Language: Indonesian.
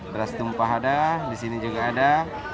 beras tumpah ada di sini juga ada